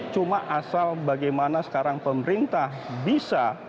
cuma asal bagaimana sekarang pemerintah bisa